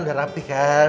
udah rapi kan